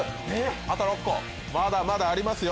あと６個まだまだありますよ。